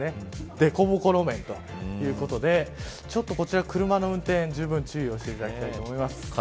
デコボコ路面ということでこちらは車の運転にじゅうぶん注意をしてほしいと思います。